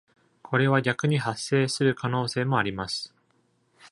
これは逆に発生する可能性もあります。